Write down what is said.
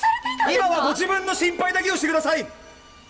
今はご自分の心配だけをしてください！